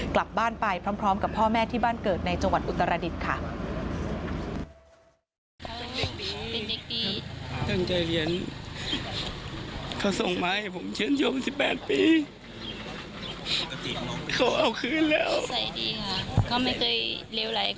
กลับบ้านไปพร้อมกับพ่อแม่ที่บ้านเกิดในจังหวัดอุตรดิษฐ์ค่ะ